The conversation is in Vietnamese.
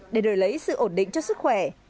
để đổi lấy sự ổn định cho sức khỏe